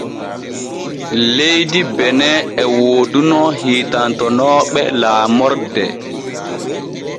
Leydi Benin e wooduno hiitantonooɓe laamorde.